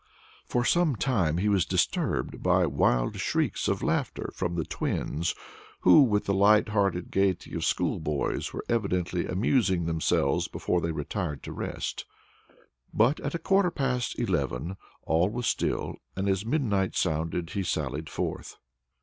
For some time he was disturbed by wild shrieks of laughter from the twins, who, with the light hearted gayety of schoolboys, were evidently amusing themselves before they retired to rest, but at a quarter past eleven all was still, and, as midnight sounded, he sallied forth.